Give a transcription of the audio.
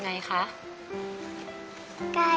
พี่โภค